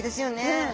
うん。